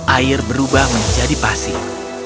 air berubah menjadi pasir